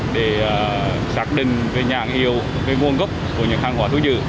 để xác định về nhãn hiệu về nguồn gốc của những hàng hóa thu giữ